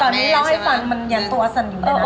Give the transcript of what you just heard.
ตอนนี้ล่อให้ฟันมันยันตัวสั่นอยู่เนี่ยนะ